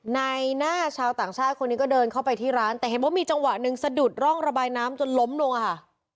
ในหน้าชาวต่างชาติคนนี้ก็เดินเข้าไปที่ร้านแต่เห็นว่ามีจังหวะหนึ่งสะดุดร่องระบายน้ำจนล้มลงค่ะ